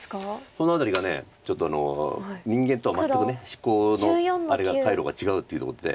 その辺りがちょっと人間とは全く思考のあれが回路が違うっていうことで。